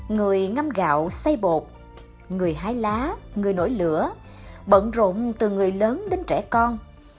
người ngâm gạo say bột người hái lá người nổi lửa bận rộn từ người lớn đến trẻ con